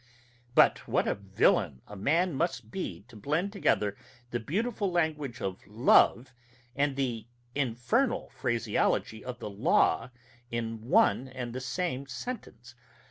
But what a villain a man must be to blend together the beautiful language of love and the infernal phraseology of the law in one and the same sentence!